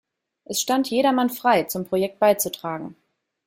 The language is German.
Es stand jedermann frei, zum Projekt beizutragen.